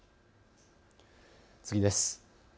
次です。